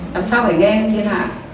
làm sao phải nghe thiên hạ